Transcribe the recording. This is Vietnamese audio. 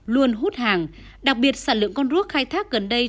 luôn hút hàng đặc biệt sản lượng con rút khai thác gần đây